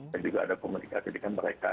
dan juga ada komunikasi dengan mereka